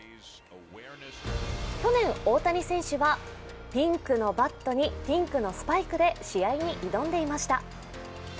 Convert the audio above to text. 去年、大谷選手はピンクのバットにピンクのスパイクで試合に挑んでいました。